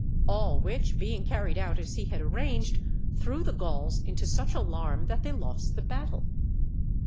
All which being carried out as he had arranged, threw the Gauls into such alarm, that they lost the battle.